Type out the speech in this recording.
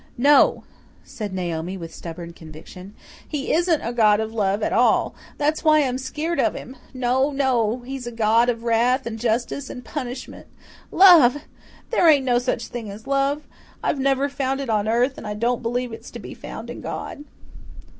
"No," said Naomi with stubborn conviction. "He isn't a God of love at all. That's why I'm skeered of him. No, no. He's a God of wrath and justice and punishment. Love! There ain't no such thing as love! I've never found it on earth, and I don't believe it's to be found in God."